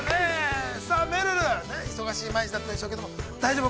さあ、めるる、忙しい毎日だったでしょうけども、大丈夫？